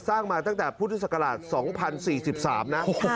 สร้างมาตั้งแต่พุทธศักราช๒๐๔๓นะ